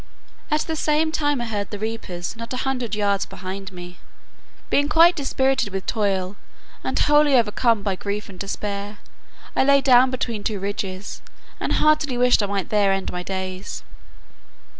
At the same time I heard the reapers not a hundred yards behind me. Being quite dispirited with toil, and wholly overcome by grief and dispair, I lay down between two ridges, and heartily wished I might there end my days.